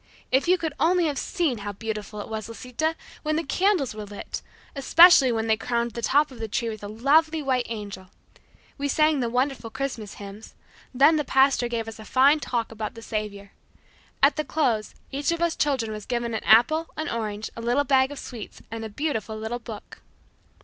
If you could only have seen how beautiful it was, Lisita, when the candles were lit, especially when they crowned the top of the tree with a lovely white angel. We sang the wonderful Christmas hymns. Then the pastor gave us a fine talk about the Saviour. At the close, each of us children was given an apple, an orange, a little bag of sweets, and a beautiful little book."